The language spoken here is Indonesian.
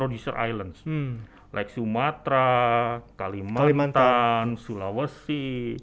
seperti sumatera kalimantan sulawesi